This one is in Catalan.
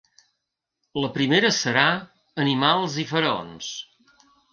La primera serà Animals i faraons.